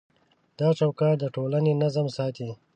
دا چوکاټ د ټولنې نظم ساتي.